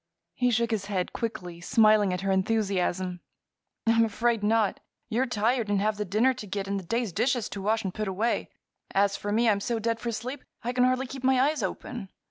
He shook his head quickly, smiling at her enthusiasm. "I'm afraid not. You're tired, and have the dinner to get and the day's dishes to wash and put away. As for me, I'm so dead for sleep I can hardly keep my eyes open.